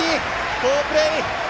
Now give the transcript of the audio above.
好プレー！